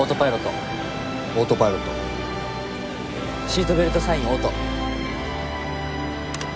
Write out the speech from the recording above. シートベルトサインオート。